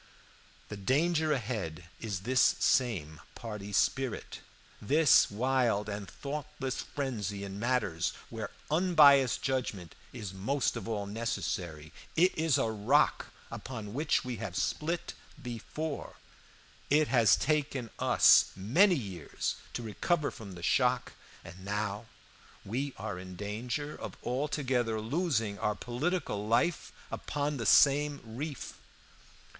"The danger ahead is this same party spirit, this wild and thoughtless frenzy in matters where unbiased judgment is most of all necessary. It is a rock upon which we have split before; it has taken us many years to recover from the shock, and now we are in danger of altogether losing our political life upon the same reef.